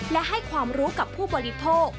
และให้ความรู้กับผู้บริโภค